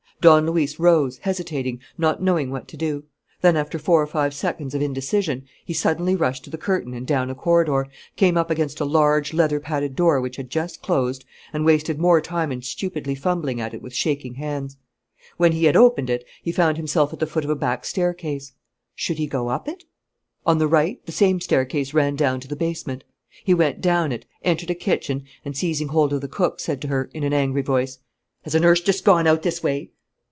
Don Luis rose, hesitating, not knowing what to do. Then, after four or five seconds of indecision, he suddenly rushed to the curtain and down a corridor, came up against a large, leather padded door which had just closed, and wasted more time in stupidly fumbling at it with shaking hands. When he had opened it, he found himself at the foot of a back staircase. Should he go up it? On the right, the same staircase ran down to the basement. He went down it, entered a kitchen and, seizing hold of the cook, said to her, in an angry voice: "Has a nurse just gone out this way?"